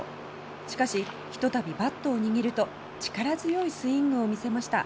しかし、ひと度バットを握ると力強いスイングを見せました。